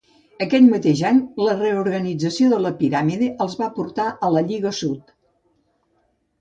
Aquell mateix any la reorganització de la piràmide els va portar al la Lliga sud.